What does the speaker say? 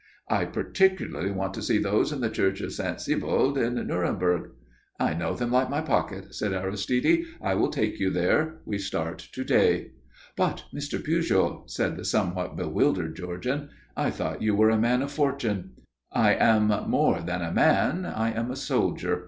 "I particularly want to see those in the church of St. Sebald in Nuremberg." "I know them like my pocket," said Aristide. "I will take you there. We start to day." "But, Mr. Pujol," said the somewhat bewildered Georgian. "I thought you were a man of fortune." "I am more than a man. I am a soldier.